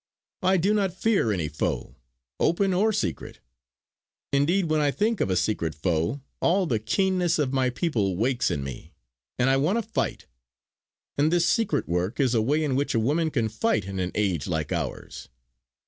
I do not fear any foe, open or secret. Indeed, when I think of a secret foe all the keenness of my people wakes in me, and I want to fight. And this secret work is a way in which a woman can fight in an age like ours.